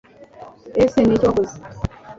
ese niki wakoze